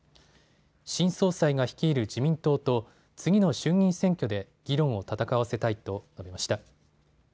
新総裁が率いる自民党と次の衆議院選挙で議論を戦わせたいと述べました。